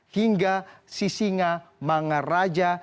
hingga sisinga mangar raja